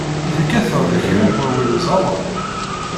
Tekkateḍ kra n wallal uẓawan?